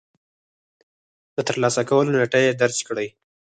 د ترلاسه کولو نېټه يې درج کړئ.